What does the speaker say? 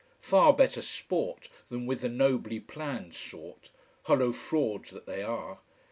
Far better sport than with the nobly planned sort: hollow frauds that they are.